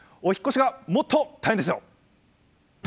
お引っ越しがもっと大変ですよ。